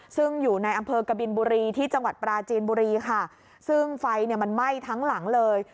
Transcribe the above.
ซึ่งอยู่ในอำเภอกบินบุรีที่จังหวัดปราจีนบุรีค่ะซึ่งไฟเนี่ยมันไหม้ทั้งหลังเลย